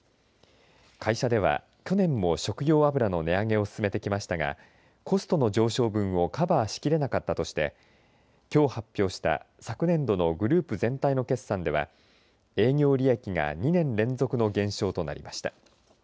会社では去年も食用油の値上げを進めてきましたがコストの上昇分をカバーしきれなかったとしてきょう発表した昨年のグループ全体の決算では営業利益が２年連続の減少となりました。